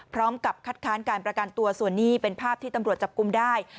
พร้อมกับคัดค้านการประกันตัวส่วนนี้เป็นภาพที่ตำรวจจับกลุ่มได้